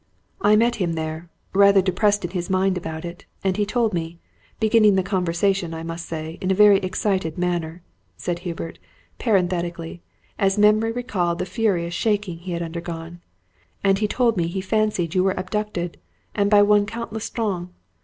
I met him there, rather depressed in his mind about it, and he told me beginning the conversation, I must say, in a very excited manner," said Hubert, parenthetically, as memory recalled the furious shaking he had undergone "and he told me he fancied you were abducted, and by one Count L'Estrange.